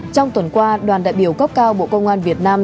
trong tuần qua đoàn đại biểu cấp cao bộ công an việt nam